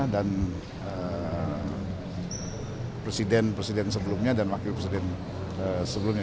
dan presiden presiden sebelumnya dan wakil presiden sebelumnya